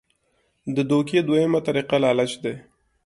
د دوکې دویمه طريقه لالچ دے -